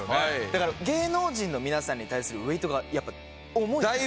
だから芸能人の皆さんに対するウエートがやっぱ重い。